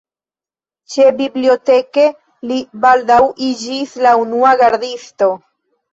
Ĉebiblioteke li baldaŭ iĝis la unua gardisto.